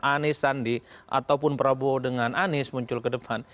anies sandi ataupun prabowo dengan anies muncul ke depan